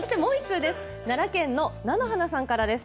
奈良県の方です。